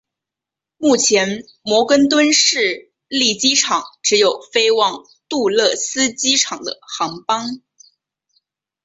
目前摩根敦市立机场只有飞往杜勒斯机场的航班。